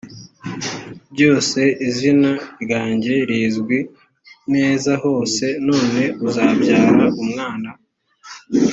byose izina ryange rizwi neza hose none uzabyara umwana